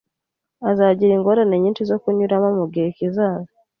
Azagira ingorane nyinshi zo kunyuramo mugihe kizaza